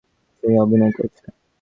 সে অভিনয় করছে।